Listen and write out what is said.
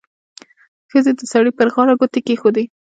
ښځې د سړي پر غاړه ګوتې کېښودې.